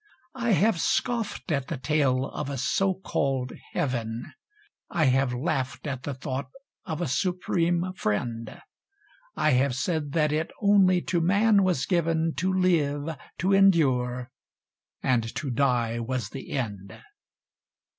I have scoffed at the tale of a so called heaven; I have laughed at the thought of a Supreme Friend; I have said that it only to man was given To live, to endure; and to die was the end.